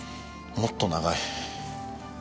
もっと長い。